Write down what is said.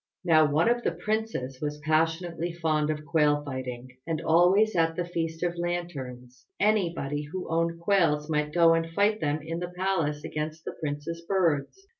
Now one of the princes was passionately fond of quail fighting, and always at the Feast of Lanterns anybody who owned quails might go and fight them in the palace against the prince's birds.